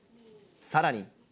さらに。